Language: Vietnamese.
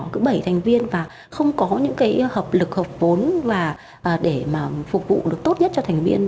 cứ bảy thành viên và không có những cái hợp lực hợp vốn và để mà phục vụ được tốt nhất cho thành viên